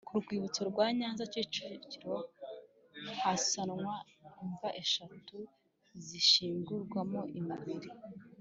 ku rwibutso rwa Nyanza Kicukiro hasanwa imva eshatu zishyingurwamo imibiri